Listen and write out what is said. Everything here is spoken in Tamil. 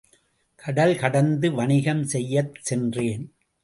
கடல் கடந்து வணிகம் செய்யச் சென்றேன்.